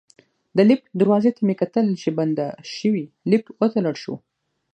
د لفټ دروازې ته مې کتل چې بنده شوې، لفټ وتړل شو.